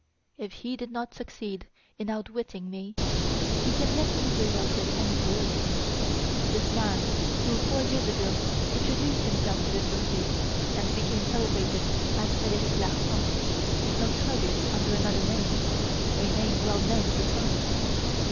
If he did not succeed in outwitting me, he can yet easily outwit any police. This man who, four years ago, introduced himself to the Surete, and became celebrated as Frederic Larsan, is notorious under another name a name well known to crime.